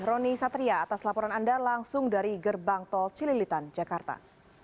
roni satria atas laporan anda langsung dari gerbang tol cililitan jakarta